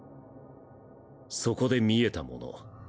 そこで見えたもの。